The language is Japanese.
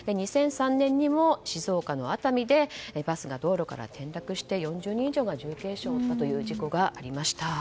２００３年にも静岡の熱海でバスが道路から転落して４０人以上が重軽傷を負った事故がありました。